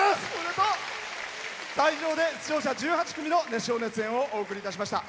以上で出場者１８組の熱唱・熱演をお送りいたしました。